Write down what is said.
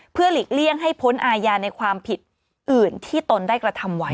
เพื่อหลีกเลี่ยงให้พ้นอาญาในความผิดอื่นที่ตนได้กระทำไว้